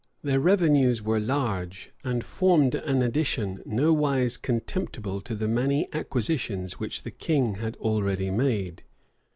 Their revenues were large; and formed an addition nowise contemptible to the many acquisitions which the king had already made.